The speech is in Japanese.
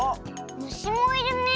むしもいるね。